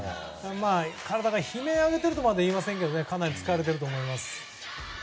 体が悲鳴を上げているとは言えませんがかなり疲れていると思います。